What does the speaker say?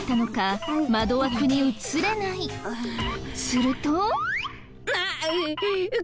すると。